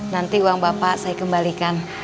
nanti uang bapak saya kembalikan